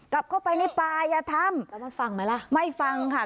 กลับเข้าไปในป่าอย่าทำแล้วมันฟังไหมล่ะไม่ฟังค่ะ